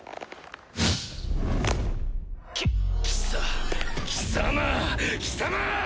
ききさ貴様貴様！